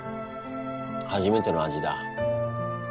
初めての味だ。